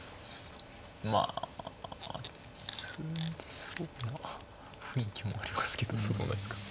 まあ詰んでそうな雰囲気もありますけどそうでもないですか。